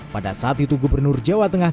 pada saat itu gubernur jawa tengah